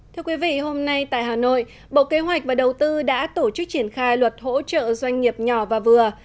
thưa quý vị hôm nay tại hà nội bộ kế hoạch và đầu tư đã tổ chức triển khai luật hỗ trợ doanh nghiệp nhỏ và vừa